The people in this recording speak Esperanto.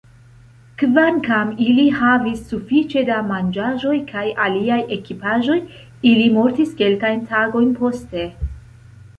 Kvankam ili havis sufiĉe da manĝaĵoj kaj aliaj ekipaĵoj, ili mortis kelkajn tagojn poste.